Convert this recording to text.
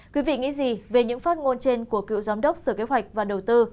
quý vị nghĩ gì về những phát ngôn trên của cựu giám đốc sở kế hoạch và đầu tư